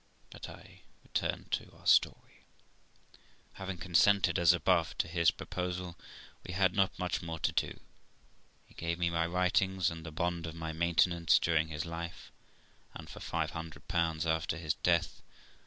But to return to our story. Having 'consented, as above, to his proposal, we had not much more to do. He gave me my writings, and the bond for my maintenance during his life and for five hundred pounds after his death.